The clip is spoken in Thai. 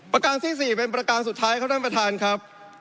ประการที่๔เป็นประการสุดท้ายครับท่านประธานครับ